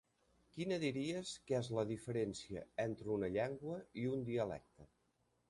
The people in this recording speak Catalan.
Quina diries que és la diferència entre una llengua i un dialecte?